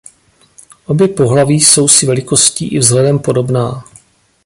Obě pohlaví jsou si velikostí i vzhledem podobná.